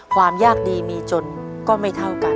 ความยากดีมีจนก็ไม่เท่ากัน